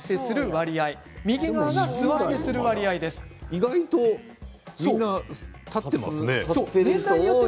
意外とみんな立っていますね。